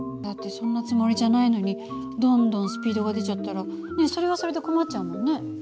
だってそんなつもりじゃないのにどんどんスピードが出ちゃったらそれはそれで困っちゃうもんね。